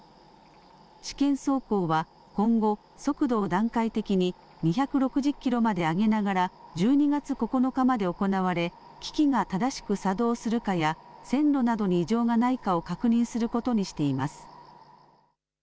試験走行は今後、速度を段階的に２６０キロまで上げながら１２月９日まで行われ機器が正しく作動するかや線路などに異常がないかを確認することにしています。